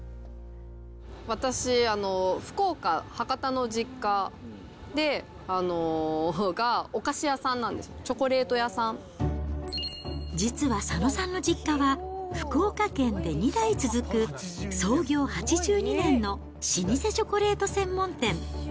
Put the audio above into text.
私、福岡・博多の実家がお菓子屋さんなんですよ、チョコレート屋さん実は佐野さんの実家は、福岡県で２代続く創業８２年の老舗チョコレート専門店。